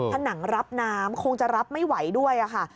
ผนังรับน้ำคงจะรับไม่ไหวด้วยค่ะ